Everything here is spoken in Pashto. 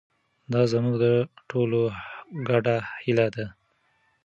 دا زموږ د ټولو ګډه هیله ده.